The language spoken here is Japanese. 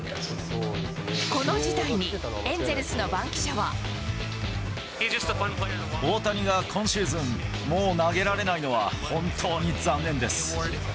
この事態に、大谷が今シーズンもう投げられないのは、本当に残念です。